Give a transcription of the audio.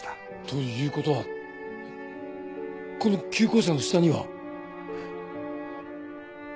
ということはこの旧校舎の下には？